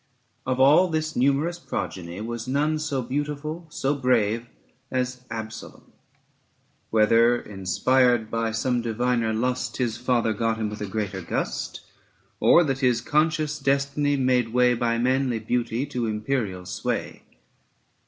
Of all this numerous progeny was none So beautiful, so brave, as Absalon : Whether, inspired by some diviner lust, His father got him with a greater gust, ao Or that his conscious destiny made way By manly beauty to imperial sway.